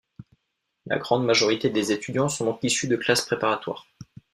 La grande majorité des étudiants sont donc issus de classes préparatoires.